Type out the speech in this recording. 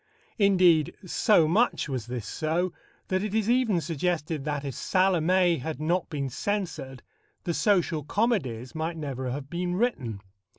Indeed, so much was this so, that it is even suggested that, if Salomé had not been censored, the social comedies might never have been written.